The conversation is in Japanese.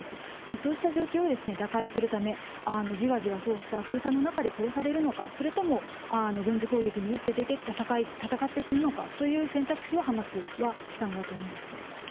そうした状況を打開するためじわじわ封鎖の中で殺されるのかそれとも軍事行動に打って出て戦って死ぬのかという選択肢をハマスはしたのだと思います。